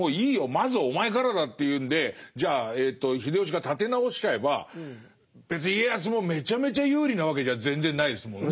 まずお前からだっていうんでじゃあ秀吉が立て直しちゃえば別に家康もめちゃめちゃ有利なわけじゃ全然ないですもんね。